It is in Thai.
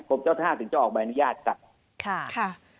กรมเจ้าท่าถึงจะออกบรรยายนุญาตครับ